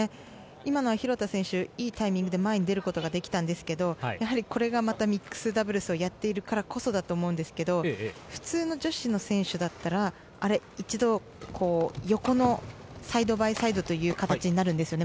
今のは廣田選手いいタイミングで前に出ることができたんですけどこれがミックスダブルスをやっているからこそだと思うんですけど普通の女子の選手だったら一度、横のサイドバイサイドという形になるんですね。